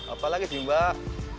apa lagi sih mbak